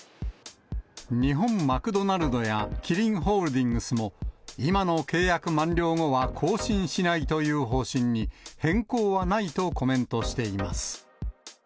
日本マクドナルドや、キリンホールディングスも、今の契約満了後は更新しないという方針に変更はないとコメントしています。